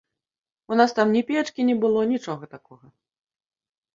У нас там ні печкі не было, нічога такога.